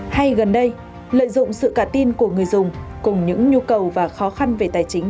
hay gần đây lợi dụng sự cả tin của người dùng cùng những nhu cầu và khó khăn về tài chính